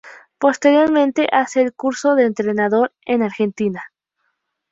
Posteriormente hace el Curso de Entrenador en Argentina.